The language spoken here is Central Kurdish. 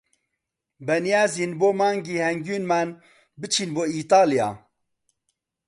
بەنیازین بۆ مانگی هەنگوینیمان بچین بۆ ئیتالیا.